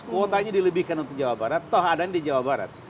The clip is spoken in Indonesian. kuotanya dilebihkan untuk jawa barat toh ada yang di jawa barat